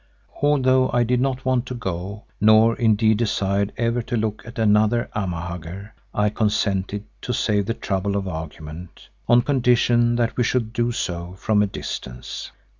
Although I did not want to go nor indeed desired ever to look at another Amahagger, I consented to save the trouble of argument, on condition that we should do so from a distance.